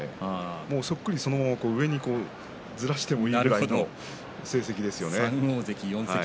そっくりそのまま上にずらしてもいい程の成績ですよね。